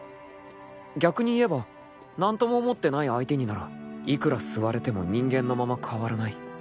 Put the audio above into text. ［逆にいえば何とも思ってない相手にならいくら吸われても人間のまま変わらない］